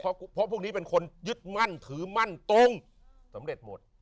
เพราะพวกนี้เป็นคนยึดมั่นถือมั่นตรงสำเร็จหมด